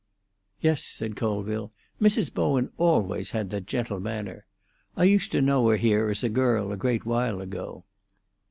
"Yes," said Colville. "Mrs. Bowen always had that gentle manner. I used to know her here as a girl a great while ago."